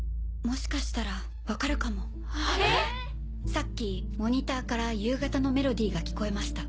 さっきモニターから夕方のメロディーが聴こえました。